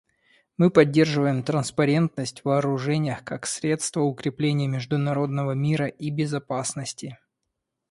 Мы поддерживаем транспарентность в вооружениях как средство укрепления международного мира и безопасности.